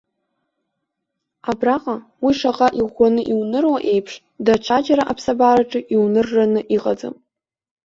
Абраҟа уи шаҟа иӷәӷәаны иуныруа еиԥш даҽаџьара аԥсабараҿы иунырраны иҟаӡам.